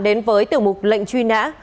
đến với tiểu mục lệnh truy nã